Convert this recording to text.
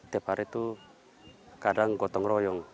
tiap hari itu kadang